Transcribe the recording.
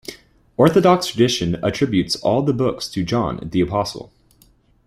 Orthodox tradition attributes all the books to John the Apostle.